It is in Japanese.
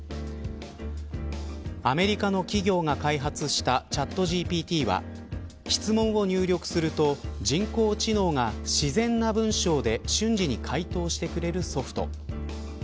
アメリカの企業が開発したチャットＧＰＴは質問を入力すると、人工知能が自然な文章で瞬時に回答してくれるソフト。